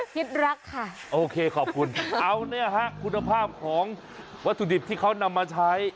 คิดรักค่ะโอเคขอบคุณเอาเนี่ยฮะคุณภาพของวัตถุดิบที่เขานำมาใช้